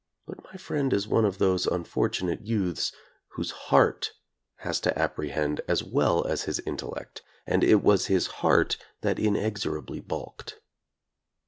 But my friend is one of those unfor tunate youths whose heart has to apprehend as well as his intellect, and it was his heart that in exorably balked.